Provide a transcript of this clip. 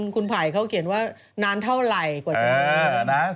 คุณไผ่เขาเขียนว่านานเท่าไหร่กว่าจะ